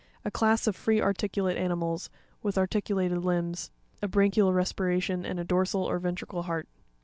A class of free articulate animals, with arti culated limbs, a branchial respi ration and a dorsal or ventrical heart.